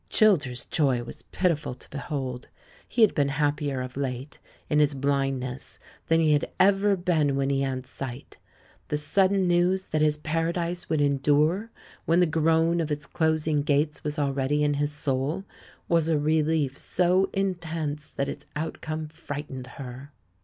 Childers' joy was pitiful to behold. He had been happier of late, in his blindness, than he had ever been when he had sight; the sudden news that his paradise would endure, when the groan of its closing gates was already in his soul, was a relief so intense that its outcome frightened her.